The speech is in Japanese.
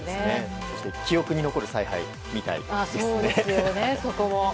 そして記憶に残る采配を見たいですね。